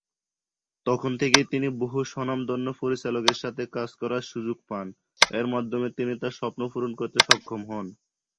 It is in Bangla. তখন থেকেই তিনি বহু স্বনামধন্য পরিচালকের সাথে কাজ করার সুযোগ পান, এর মাধ্যমে তিনি তার স্বপ্ন পূরণ করতে সক্ষম হন।